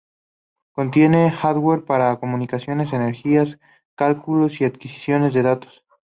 Contiene hardware para comunicaciones, energía, cálculos y adquisición de datos.